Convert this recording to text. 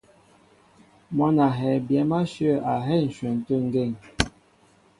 Mwǎn a hɛɛ byɛ̌m áshyə̂ a hɛ́ á ǹshwɛn tê ŋgeŋ.